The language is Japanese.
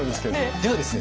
ではですね